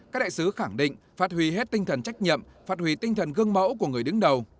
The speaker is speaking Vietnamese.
các đại sứ khẳng định phát huy hết tinh thần trách nhiệm phát huy tinh thần gương mẫu của người đứng đầu